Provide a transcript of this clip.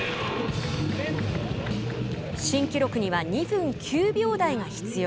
新記録には２分９秒台が必要。